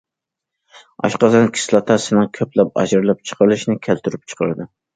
ئاشقازان كىسلاتاسىنىڭ كۆپلەپ ئاجرىلىپ چىقىرىلىشىنى كەلتۈرۈپ چىقىرىدۇ.